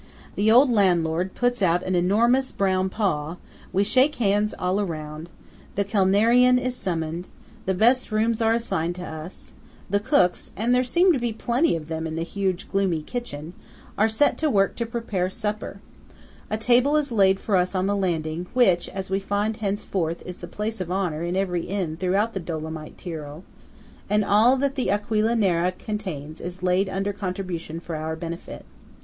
The old landlord puts out an enormous brown paw; we shake hands all round; the Kellnerin is summoned; the best rooms are assigned to us; the cooks (and there seem to be plenty of them in the huge gloomy kitchen) are set to work to prepare supper; a table is laid for us on the landing, which, as we find henceforth, is the place of honour in every inn throughout the Dolomite Tyrol; and all that the Aquila Nera contains is laid under contribution for our benefit.